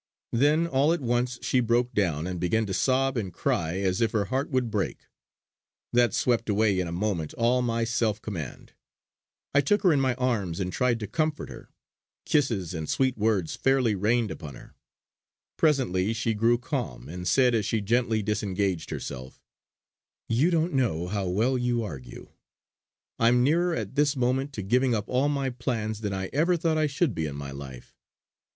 Then all at once she broke down, and began to sob and cry as if her heart would break. That swept away in a moment all my self command; I took her in my arms and tried to comfort her. Kisses and sweet words fairly rained upon her. Presently she grew calm, and said as she gently disengaged herself: "You don't know how well you argue. I'm nearer at this moment to giving up all my plans, than I ever thought I should be in my life.